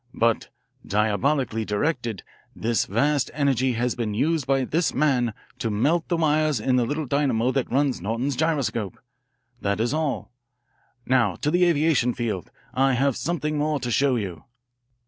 But, diabolically directed, this vast energy has been used by this man to melt the wires in the little dynamo that runs Norton's gyroscope. That is all. Now to the aviation field. I have something more to show you."